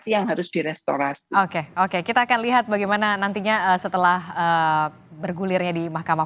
yang harus direstorasi oke oke kita akan lihat bagaimana nantinya setelah bergulirnya di mahkamah